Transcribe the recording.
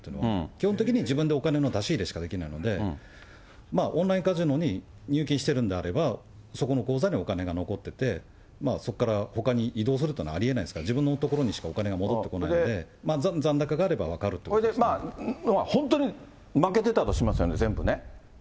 基本的に自分でお金の出し入れしかできないので、オンラインカジノに入金してるのであれば、そこの口座にお金が残ってて、そこからほかに移動するっていうのはありえないですから、自分のところにしかお金が戻ってこないので、残高があれば、本当に、負けてたとしますよね、全部ね。